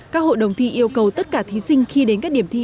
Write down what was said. các hội đồng thi yêu cầu tất cả thí sinh khi đến các điểm thi